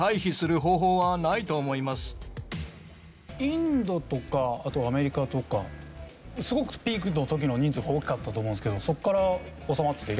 インドとかあとアメリカとかすごくピークの時の人数が多かったと思うんですけどそこから収まってきて。